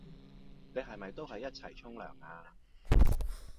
你係咪都係一齊嚟沖涼呀？